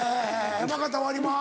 山形はあります